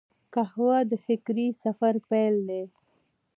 قهوه د فکري سفر پیل دی